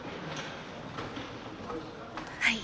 はい。